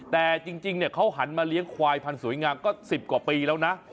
แต่จริงเขาหันมาเลี้ยงควายพันธุสวยงามก็๑๐กว่าปีแล้วนะ